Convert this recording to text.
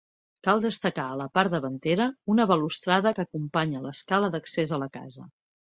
Cal destacar a la part davantera una balustrada que acompanya l'escala d'accés a la casa.